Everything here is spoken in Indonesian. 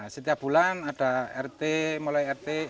setiap bulan ada rt mulai rt